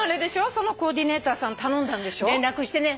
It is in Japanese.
そのコーディネーターさんに頼んだんでしょ？連絡してね。